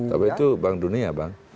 tapi itu bank dunia bang